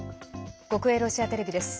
国営ロシアテレビです。